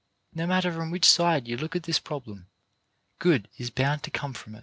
No matter from which side you look at this problem, good is bound to come from it.